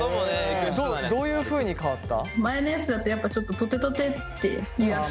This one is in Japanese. どういうふうに変わった？